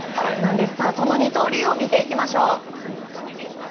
その二刀流を見ていきましょう。